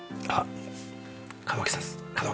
あっ！